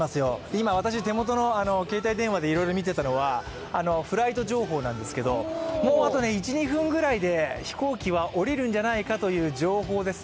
今私、手元の携帯電話でいろいろ見ていたのはフライト情報なんですけど、あと１２分くらいで飛行機は下りるんじゃないかという情報です。